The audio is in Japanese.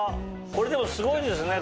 これでもすごいですね